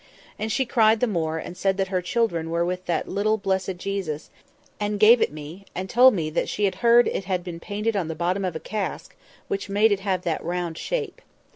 And she cried the more, and said her children were with that little blessed Jesus; and gave it me, and told me that she had heard it had been painted on the bottom of a cask, which made it have that round shape.